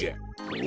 お！